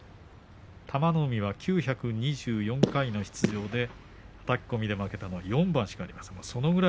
玉の海は９２４回の出場ではたき込みで負けたのは４番しかありません。